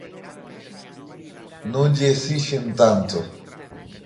Non lle exixen tanto.